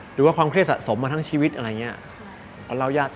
หรือว่าความเครียดสะสมมาทั้งชีวิตอะไรอย่างนี้